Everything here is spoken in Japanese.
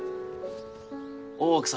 大奥様